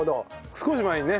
少し前にね